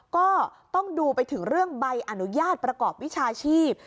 ก็ต้องดูไปถึงเรื่องใบอนุญาตประกอบวิชาชีพ